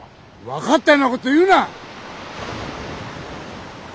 分かったようなことを言うな！